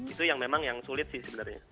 itu yang memang yang sulit sih sebenarnya